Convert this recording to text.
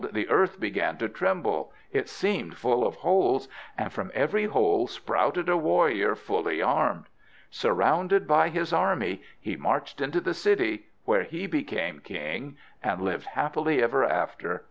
the earth began to tremble, it seemed full of holes, and from every hole sprouted a warrior fully armed. Surrounded by his army, he marched into the city, where he became king, and lived happily ever after.